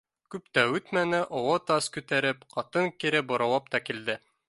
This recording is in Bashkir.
Күп тә үтмәне, оло тас күтәреп, ҡатын кире боролоп та килде